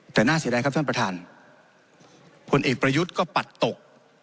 แต่น่าเสียดายครับท่านประธานผลเอกประยุทธ์ก็ปัดตก